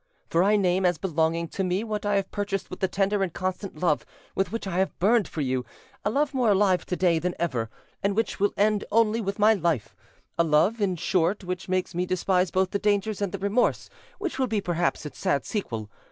For I name as belonging to me what I have purchased with the tender and constant love with which I have burned for you, a love more alive to day than ever, and which will end only with my life; a love, in short, which makes me despise both the dangers and the remorse which will be perhaps its sad sequel.